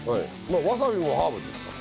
わさびもハーブですから。